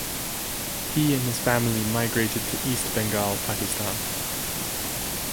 He and his family migrated to East Bengal, Pakistan.